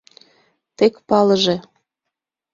Тек палыже!